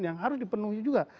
yang harus dipenuhi juga